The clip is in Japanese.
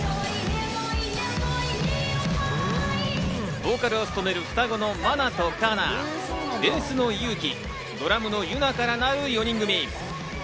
ボーカルを務める双子のマナとカナ、ベースのユウキ、ドラムのユナからなる４人組。